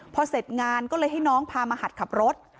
พอเสร็จงานก็เลยให้น้องพามาหัดขับรถ